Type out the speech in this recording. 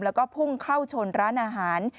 แล้วก็พุ่งเข้าชนร้านอาหาร